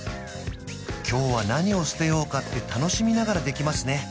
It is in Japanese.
今日は何を捨てようかって楽しみながらできますね